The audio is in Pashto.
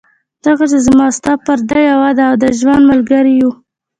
ځکه چې زما او ستا پرده یوه ده، او د ژوند ملګري یو.